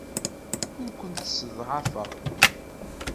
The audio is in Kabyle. Ur kent-sseḍɛafeɣ.